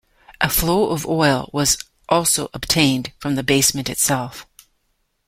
A flow of oil was also obtained from the basement itself.